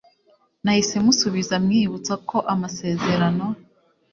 Nahise musubiza mwibutsa ko amasezerano